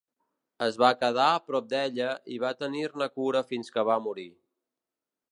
Es va quedar a prop d'ella i va tenir-ne cura fins que va morir.